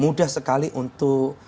mudah sekali untuk